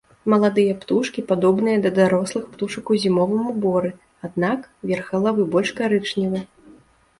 Маладыя птушкі падобныя да дарослых птушак у зімовым уборы, аднак, верх галавы больш карычневы.